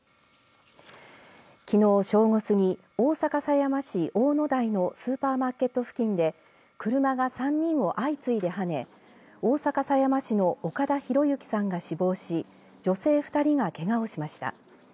きのう正午過ぎ大阪狭山市大野台のスーパーマーケット付近で車が３人を相次いではね大阪狭山市の岡田博行さんが死亡し女性２人がけがをしました。